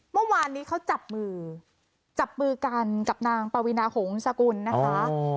เมื่อวานนี้เขาจับมือกับนางปวินะโหงสกุลนะคะ